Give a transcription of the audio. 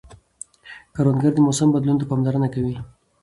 کروندګر د موسم بدلون ته پاملرنه کوي